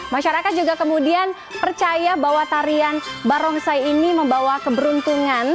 masyarakat juga kemudian percaya bahwa tarian barongsai ini membawa keberuntungan